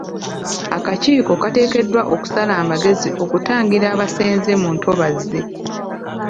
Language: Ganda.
Akakiiko kateekeddwa okusala amagezi okutangira abasenze mu ntobazi.